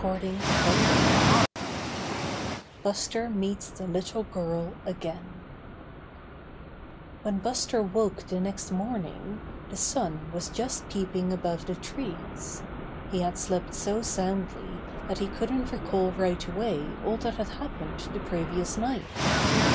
STORY XII Buster Meetts the Little Girl Again When Buster woke the next morning the sun was just peeping above the trees. He had slept so soundly that he couldn't recall right away all that had happened the previous night.